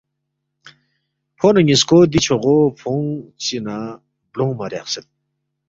فونو نیسکو دی چھوغو فونگ چہ نہ بلونگمہ ریاقسید۔